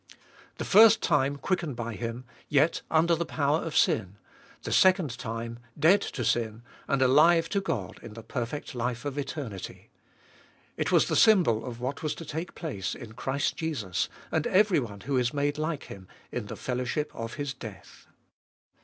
The first time quickened by Him, and yet under the power of sin ; the second time, dead to sin, and alive to God in the perfect life of eternity. It was the symbol of what was to take place in Christ Jesus and everyone who is made like Him in the fellowship of His death.